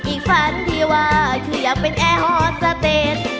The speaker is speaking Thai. อีกฝันที่ว่าคืออยากเป็นแอร์ฮอตสเตต